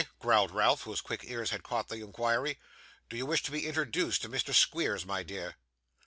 growled Ralph, whose quick ears had caught the inquiry. 'Do you wish to be introduced to Mr. Squeers, my dear?